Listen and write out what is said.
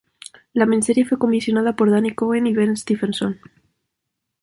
La miniserie fue comisionada por Danny Cohen y Ben Stephenson.